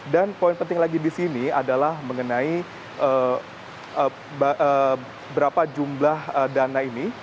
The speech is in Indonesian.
dan poin penting lagi di sini adalah mengenai berapa jumlah dana ini